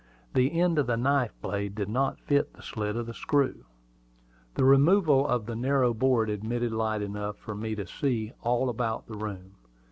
The end of the knife blade did not fit the slit of the screw. The removal of the narrow board admitted light enough to enable me to see all about the room.